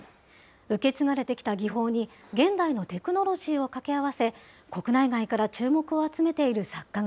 受け継がれてきた技法に、現代のテクノロジーを掛け合わせ、国内外から注目を集めている作家